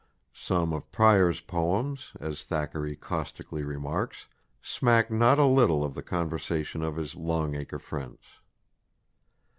Some of Prior's poems, as Thackeray caustically remarks, smack not a little of the conversation of his Long Acre friends.